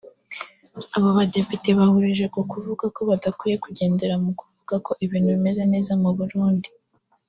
Abo badepite bahurije ku kuvuga ko badakwiye kugendera mu kuvuga ko ibintu bimeze neza mu Burundi